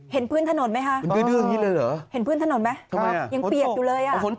เห็นเพื่อนถนนไหมฮะแล้วยังเปียกอยู่เลย